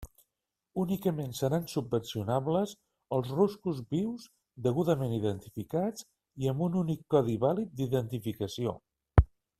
Únicament seran subvencionables els ruscos vius degudament identificats i amb un únic codi vàlid d'identificació.